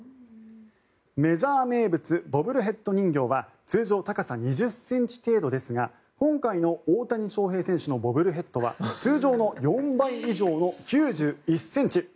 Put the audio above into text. メジャー名物ボブルヘッド人形は通常、高さ２０ｃｍ程度ですが今回の大谷翔平選手のボブルヘッドは通常の４倍以上の９１ｃｍ。